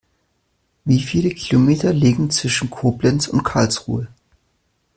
Wie viele Kilometer liegen zwischen Koblenz und Karlsruhe?